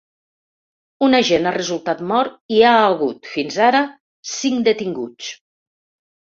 Un agent ha resultat mort i hi ha hagut, fins ara, cinc detinguts.